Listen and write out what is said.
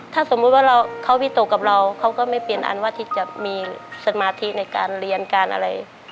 ถ้าสมมุติว่าเขาวิตกกับเราเขาก็ไม่เปลี่ยนอันว่าที่จะมีสมาธิในการเรียนการอะไร